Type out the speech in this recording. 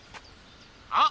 あっ！